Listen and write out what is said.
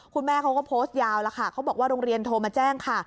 คุณแม่เขาก็โพสต์ยาวแล้วค่ะเขาบอกว่าโรงเรียนโทรมาแจ้งค่ะ